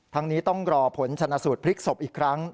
นี้ต้องรอผลชนะสูตรพลิกศพอีกครั้ง